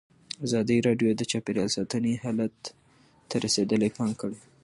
ازادي راډیو د چاپیریال ساتنه حالت ته رسېدلي پام کړی.